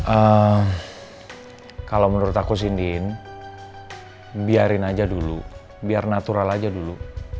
eee kalau menurut aku sih ndin biarin aja dulu biar natural aja dulu